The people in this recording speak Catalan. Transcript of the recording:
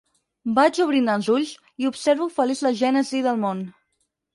Vaig obrint els ulls i observo feliç la gènesi del món.